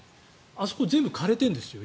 あそこ、全部枯れてるんですよ